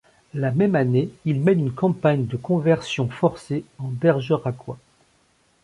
La même année il mène une campagne de conversions forcées en Bergeracois.